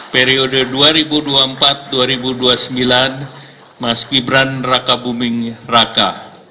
periode dua ribu dua puluh empat dua ribu dua puluh sembilan mas gibran raka buming raka